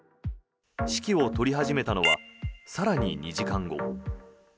指揮を執り始めたのは更に２時間後。